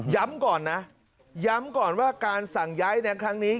ก่อนนะย้ำก่อนว่าการสั่งย้ายในครั้งนี้